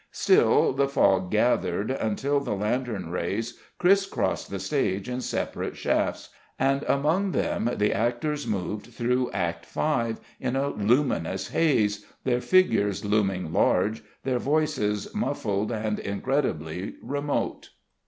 Still the fog gathered, until the lantern rays criss crossed the stage in separate shafts, and among them the actors moved through Act V. in a luminous haze, their figures looming large, their voices muffled and incredibly remote.